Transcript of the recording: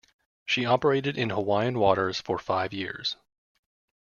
She operated in Hawaiian waters for five years.